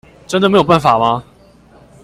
真的沒有辦法嗎？